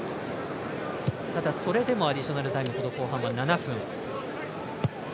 ただ、それでもアディショナルタイム後半は７分。